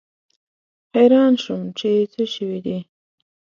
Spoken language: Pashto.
حیران شوم چې څه شوي دي.